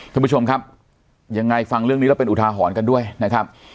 ท่านผู้ชมครับยังไงฟังเรื่องนี้แล้วเป็นอุทาหรณ์กันด้วยนะครับ